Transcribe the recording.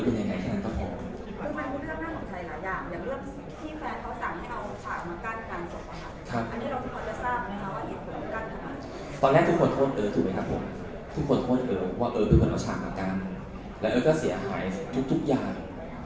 ตอนนี้จริงทุกคนโทษเอ๋อว่าเอ๋อเป็นคนเอาฉากกับกันและเอ๋อก็เสียหายทุกอย่าง